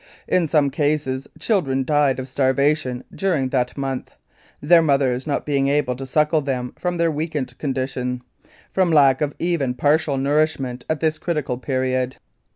In some cases children died of starvation during that month, their mothers not being able to suckle them from their weakened condition, from lack of even partial nourishment at this critical period.